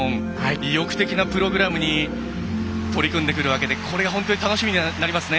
意欲的なプログラムに取り組んでくるわけで、本当に楽しみになってきますね。